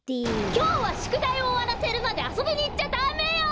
きょうはしゅくだいをおわらせるまであそびにいっちゃダメよ！